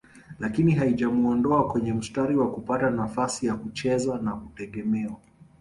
lakini haijamuondoa kwenye mstari wa kupata nafasi ya kucheza na kutegemewa